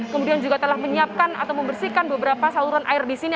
kemudian juga telah menyiapkan atau membersihkan beberapa saluran air di sini